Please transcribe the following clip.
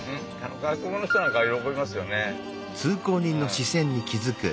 外国の人なんか喜びますよねうん。